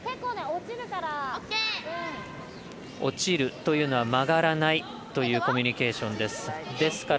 落ちるというのは曲がらないというコミュニケーションです。